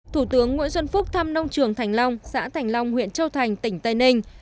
thủ tướng nguyễn xuân phúc thăm nông trường thành long xã thành long huyện châu thành tỉnh tây ninh